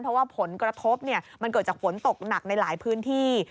เพราะว่าผลกระทบมันเกิดจากฝนตกหนักในหลายพื้นที่